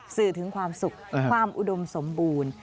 สื่อถึงความสุขความอุดมสมบูรณ์